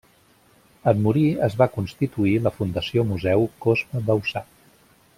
En morir es va constituir la Fundació Museu Cosme Bauçà.